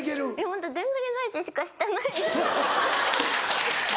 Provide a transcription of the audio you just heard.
ホントでんぐり返ししかしてない。